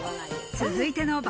続いての爆